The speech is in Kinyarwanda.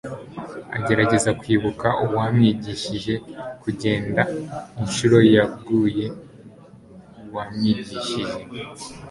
agerageza kwibuka uwamwigishije kugenda inshuro yaguye wamwigishije